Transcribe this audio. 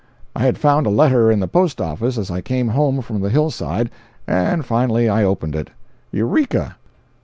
I had found a letter in the post office as I came home from the hill side, and finally I opened it. Eureka!